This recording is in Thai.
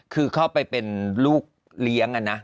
คือเข้าไปเป็นลูกเลี้ยงนะ